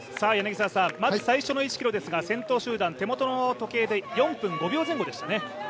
まず最初の１ｋｍですが先頭集団、手元の時計で４分５秒前後でしたね。